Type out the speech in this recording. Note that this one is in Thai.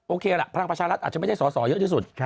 ล่ะพลังประชารัฐอาจจะไม่ได้สอสอเยอะที่สุด